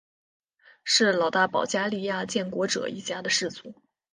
是老大保加利亚建国者一家的氏族。